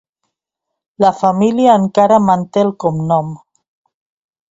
La família encara manté el cognom.